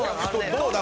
どうだ？